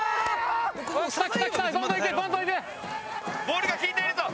ボールが効いているぞ！